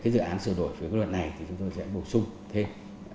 cái dự án sửa đổi với luật này thì chúng tôi sẽ bổ sung thêm